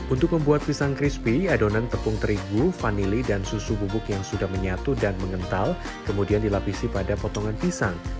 untuk membuat pisang crispy adonan tepung terigu vanili dan susu bubuk yang sudah menyatu dan mengental kemudian dilapisi pada potongan pisang